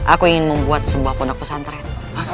aku ingin membuat sebuah pondok pesantren